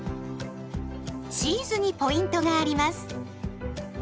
チーズにポイントがあります。